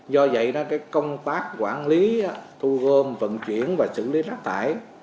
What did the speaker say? do vậy công tác quản lý thu gom vận chuyển và xử lý rác thải